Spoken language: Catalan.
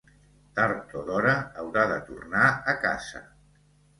Tard o d'hora haurà de tornar a casa.